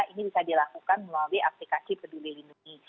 ini bisa dilakukan melalui aplikasi peduli lindungi